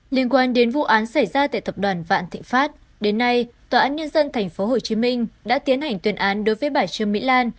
liên quan đến vụ án xảy ra tại tập đoàn vạn thịnh pháp đến nay tòa án nhân dân tp hcm đã tiến hành tuyên án đối với bà trương mỹ lan